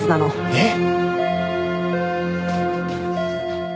えっ！？